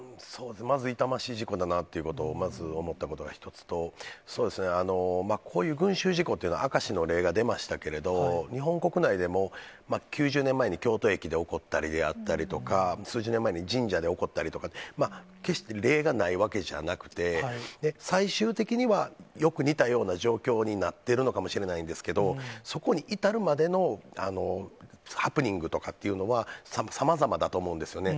まず痛ましい事故だなということ、まず思ったことが一つと、こういう群集事故というのは、明石の例が出ましたけれど、日本国内でも、９０年前に京都駅で起こったりであったりとか、数十年前に神社で起こったりとか、決して例がないわけじゃなくて、最終的には、よく似たような状況になってるのかもしれないんですけど、そこに至るまでのハプニングとかっていうのは、さまざまだと思うんですよね。